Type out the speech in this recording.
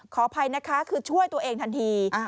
ขออภัยนะคะคือช่วยตัวเองทันที